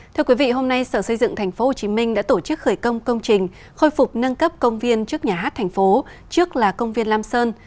thưa quý vị hôm nay sở xây dựng tp hcm đã tổ chức khởi công công trình khôi phục nâng cấp công viên trước nhà hát thành phố trước là công viên lam sơn